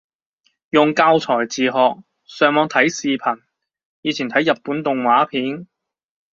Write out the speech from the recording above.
用教材自學，上網睇視頻，以前睇日本動畫片